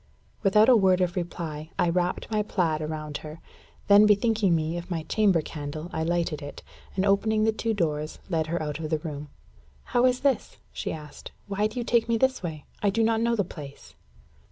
Without a word of reply, I wrapped my plaid about her. Then bethinking me of my chamber candle, I lighted it, and opening the two doors, led her out of the room. "How is this?" she asked. "Why do you take me this way? I do not know the place."